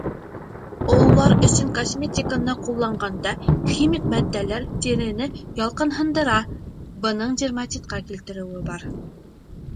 Ололар өсөн косметиканы ҡулланғанда химик матдәләр тирене ялҡынһындыра, бының дерматитҡа килтереүе бар.